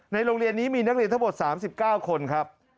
โรงเรียนนี้มีนักเรียนทั้งหมด๓๙คนครับ